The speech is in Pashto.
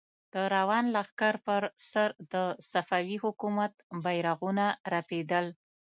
د روان لښکر پر سر د صفوي حکومت بيرغونه رپېدل.